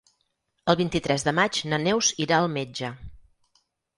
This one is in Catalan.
El vint-i-tres de maig na Neus irà al metge.